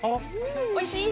おいしい？